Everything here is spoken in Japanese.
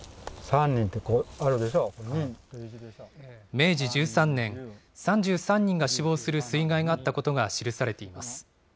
明治１３年、３３人が死亡する水害があったことが記されています。